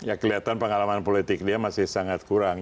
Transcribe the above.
ya kelihatan pengalaman politik dia masih sangat kurang